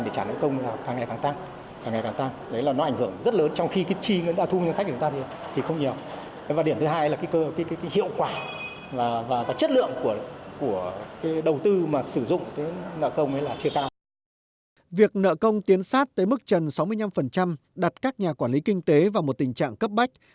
việc nợ công tiến sát tới mức trần sáu mươi năm đặt các nhà quản lý kinh tế vào một tình trạng cấp bách